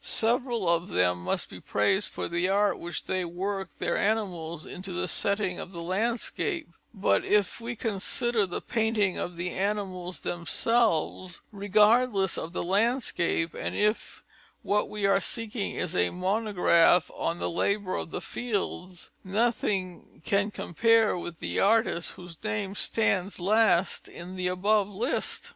Several of them must be praised for the art with which they work their animals into the setting of the landscape; but if we consider the painting of the animals themselves, regardless of the landscape, and if what we are seeking is a monograph on the labour of the fields, nothing can compare with the artist whose name stands last in the above list."